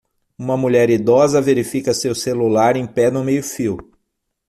Uma mulher idosa verifica seu celular em pé no meio-fio.